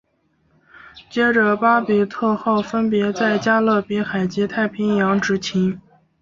接着巴比特号分别在加勒比海及太平洋执勤。